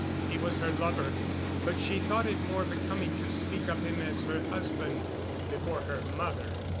He was her lover; but she thought it more becoming to speak of him as her husband before her mother.